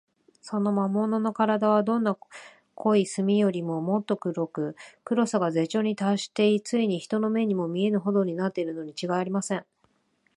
その魔物のからだは、どんな濃い墨よりも、もっと黒く、黒さが絶頂にたっして、ついに人の目にも見えぬほどになっているのにちがいありません。